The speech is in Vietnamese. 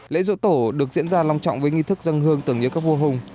lễ dỗ tổ được diễn ra long trọng với nghi thức dân hương tưởng nhớ các vua hùng